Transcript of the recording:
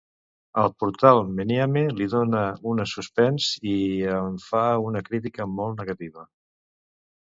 El portal Menéame li dona una suspens i en fa una crítica molt negativa.